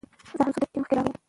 زه هم څو دقيقې مخکې راغلى يم.